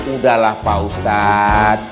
udahlah pak ustadz